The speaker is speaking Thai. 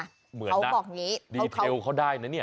เหมือนนะเดีเทลเขาได้นะเนี่ย